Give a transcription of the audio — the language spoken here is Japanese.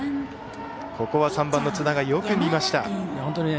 ここは３番の津田がよく見ました。